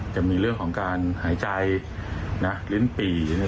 จะมีเรื่องของการหายใจลิ้นปี่